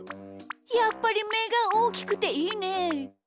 やっぱりめがおおきくていいね。